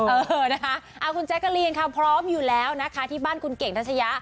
เออนะคะคุณแจ๊กกะลีนค่ะพร้อมอยู่แล้วนะคะที่บ้านคุณเก่งทัชยะ